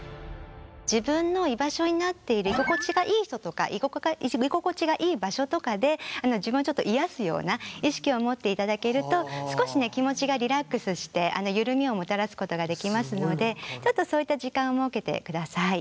自分の居場所になっている居心地がいい人とか居心地がいい場所とかで自分をちょっと癒やすような意識を持っていただけると少しね気持ちがリラックスして緩みをもたらすことができますのでちょっとそういった時間を設けてください。